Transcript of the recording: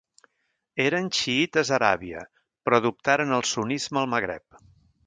Eren xiïtes a Aràbia però adoptaren el sunnisme al Magreb.